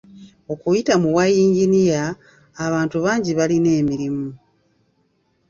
Okuyita mu bwa yinginiya, abantu bangi balina emirimu.